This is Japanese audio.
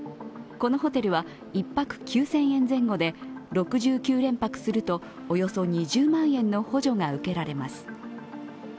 このホテルは１泊９０００円前後で６９連泊すると、およそ２０万円の補助が受けられます。